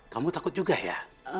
kamu takut juga ya